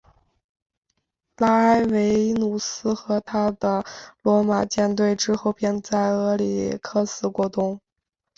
拉埃维努斯和他的罗马舰队之后便在俄里科斯过冬。